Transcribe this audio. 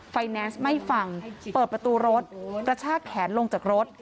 แนนซ์ไม่ฟังเปิดประตูรถกระชากแขนลงจากรถ